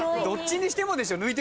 どっちにしてもでしょ。